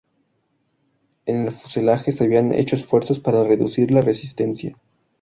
En el fuselaje se habían hecho esfuerzos para reducir la resistencia.